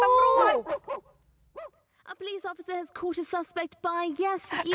ไม่ใช่เสียงสุนัขเสียงปรับรูป